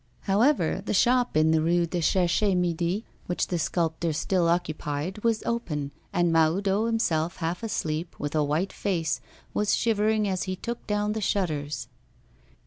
However, the shop in the Rue du Cherche Midi, which the sculptor still occupied, was open, and Mahoudeau himself, half asleep, with a white face, was shivering as he took down the shutters.